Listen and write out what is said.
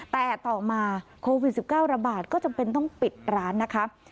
แต่ต่อมาโควิด๑๙ระบาดก็จำเป็นต้องปิดร้านนะคะ